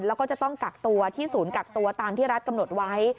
แล้วก็จะต้องกักตัวที่ศูนย์กักตัวตามที่รัฐกำหนดไว้